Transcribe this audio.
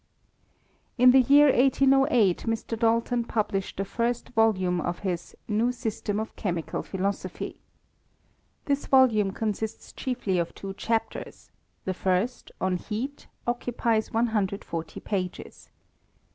In the year 1808 Mr. Dalton published the fitat volume of his New System of Chemical Philosophy. This volume consists chiefly of two chapters : the first, on keat, occupies 140 pages.